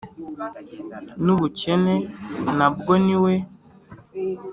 n’ubukene, na bwo ni we